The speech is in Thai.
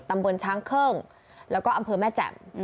ตำบลช้างเคิ่งแล้วก็อำเภอแม่แจ่ม